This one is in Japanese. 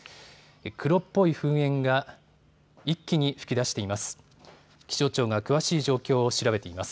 黒っぽい噴煙が一気に噴き出しています。